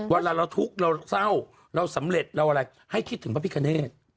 เวลาเราทุกข์เราเศร้าเราสำเร็จเราอะไรให้คิดถึงพระพิคเนต